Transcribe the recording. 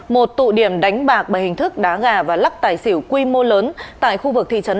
một tụ điểm đánh bạc bằng hình thức đá gà và lắc tài xỉu quy mô lớn tại khu vực thị trấn